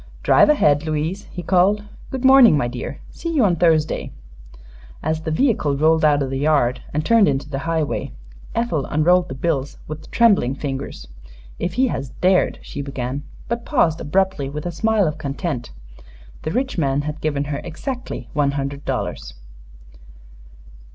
"Drive ahead, Louise," he called. "Good morning, my dear. See you on Thursday." As the vehicle rolled out of the yard and turned into the highway, Ethel unrolled the bills with trembling fingers. "If he has dared !" she began, but paused abruptly with a smile of content. The rich man had given her exactly one hundred dollars.